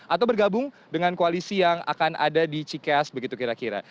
atau bergabung dengan koalisi yang akan ada di cikeas begitu kira kira